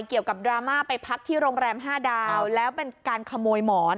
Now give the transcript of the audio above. เกี่ยวกับดราม่าไปพักที่โรงแรมห้าดาวแล้วเป็นการขโมยหมอน